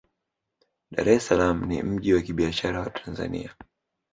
dar es salaam ni mji wa kibiashara wa tanzania